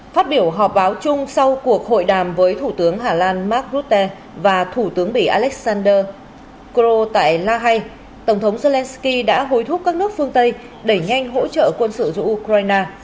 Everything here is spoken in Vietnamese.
phát biểu họp báo chung sau cuộc hội đàm với thủ tướng hà lan mark rutte và thủ tướng bỉ alexander kroh tại lahay tổng thống zelenskyy đã hối thúc các nước phương tây đẩy nhanh hỗ trợ quân sự dù ukraine